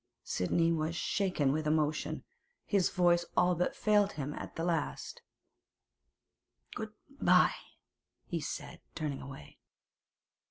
Sidney was shaken with emotion; his voice all but failed him at the last. 'Good bye,' he said, turning away.